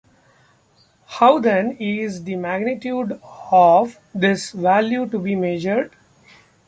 How, then, is the magnitude of this value to be measured?